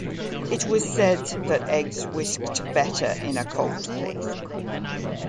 It was said that eggs whisked better in a cold place.